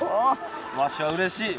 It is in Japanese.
わしはうれしい。